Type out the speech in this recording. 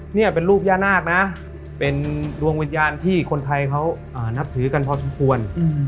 นี่เป็นรูปย่านาคนะเป็นดวงวิญญาณที่คนไทยเขานับถือกันพอสมควร